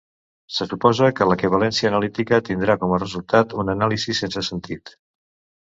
Se suposa que l'equivalència analítica tindrà com a resultat una anàlisi sense sentit.